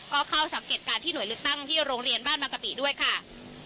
ก็เข้าสังเกตการณ์ที่หน่วยเลือกตั้งที่โรงเรียนบ้านมากะปิด้วยค่ะ